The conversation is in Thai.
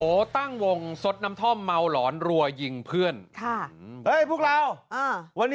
โห้ตั้งวงสดน้ำท่อมเมาหลอนหลวะยิงเพื่อน